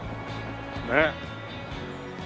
ねっ！